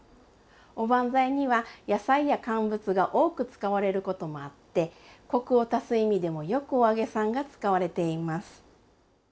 おばんざいには野菜や乾物が多く使われることもあってコクを足す意味でもよくお揚げさんが使われています。